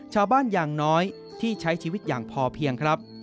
อย่างน้อยที่ใช้ชีวิตอย่างพอเพียงครับ